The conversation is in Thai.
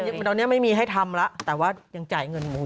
ตอนนี้ไม่มีให้ทำแล้วแต่ว่ายังจ่ายเงินหมด